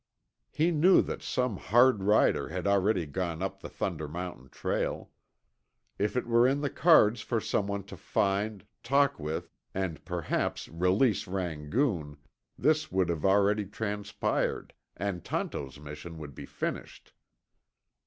He knew that some hard rider had already gone up the Thunder Mountain trail. If it were in the cards for someone to find, talk with, and perhaps release Rangoon, this would have already transpired, and Tonto's mission would be finished.